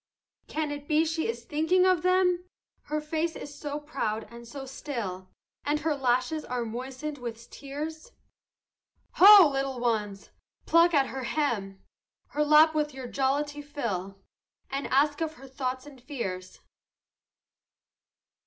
Can it be she is thinking of them, Her face is so proud and so still, And her lashes are moistened with tears? Ho, little ones! pluck at her hem, Her lap with your jollity fill, And ask of her thoughts and her fears.